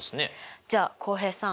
じゃあ浩平さん